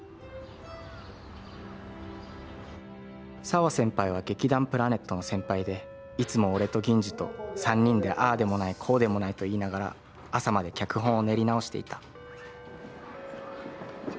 「サワ先輩は劇団プラネットの先輩で、いつも俺とギンジと、三人でああでもないこうでもないと言いながら朝まで脚本を練り直していた」。